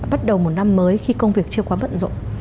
bắt đầu một năm mới khi công việc chưa quá bận rộn